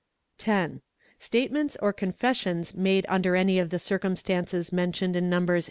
10. Statements or confessions made under any of the circumstances _ mentioned in Nos.